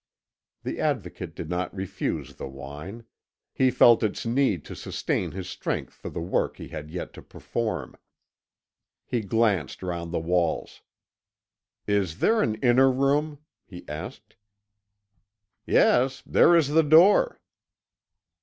The Advocate did not refuse the wine; he felt its need to sustain his strength for the work he had yet to perform. He glanced round the walls. "Is there an inner room?" he asked. "Yes; there is the door."